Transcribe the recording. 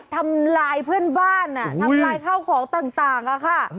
ทำลายเพื่อนบ้านทำลายข้าวของต่างค่ะ